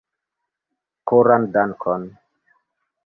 Koran dankon!